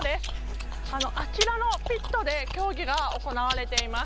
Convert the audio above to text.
あちらのピットで競技が行われています。